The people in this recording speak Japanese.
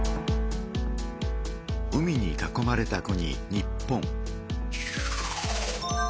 海に囲まれた国日本。